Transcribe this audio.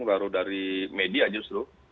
baru dari media justru